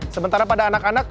sementara pada anak anak